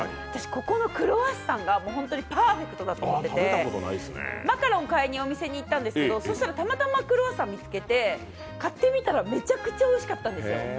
ここのクロワッサンがパーフェクトだと思っていて、マカロンを買いにお店に行ったんですけど、たまたまクロワッサン見つけて買ってみたら、めちゃくちゃおいしかったんですよ。